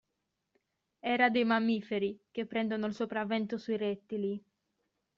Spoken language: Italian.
Era dei mammiferi, che prendono il sopravvento sui rettili.